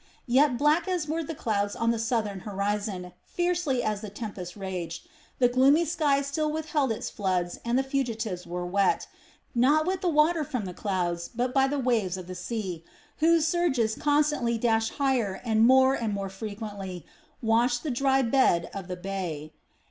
Yet, black as were the clouds on the southern horizon, fiercely as the tempest raged, the gloomy sky still withheld its floods and the fugitives were wet, not with the water from the clouds but by the waves of the sea, whose surges constantly dashed higher and more and more frequently washed the dry bed of the bay.